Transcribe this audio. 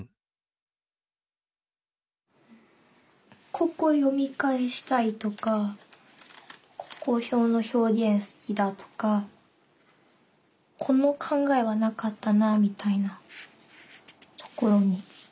ここ読み返したいとかここの表現好きだとかこの考えはなかったなみたいなところに。